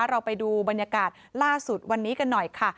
เราไปดูบรรยากาศล่าสุดวันนี้กันหน่อยค่ะ